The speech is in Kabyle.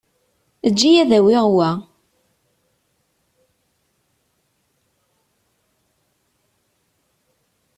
Eǧǧ-iyi ad awiɣ wa.